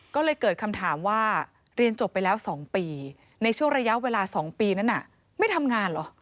ก็เลยเกิดคำถามว่าเรียนจบไปแล้ว๒ปีในช่วงระยะเวลา๒ปีนั้นไม่ทำงานเหรอ